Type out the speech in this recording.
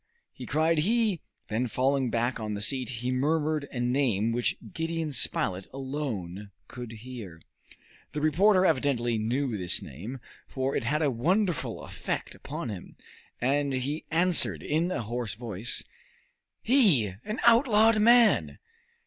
he cried, "he! " Then, falling back on the seat, he murmured a name which Gideon Spilett alone could hear. The reporter evidently knew this name, for it had a wonderful effect upon him, and he answered in a hoarse voice, "He! an outlawed man!"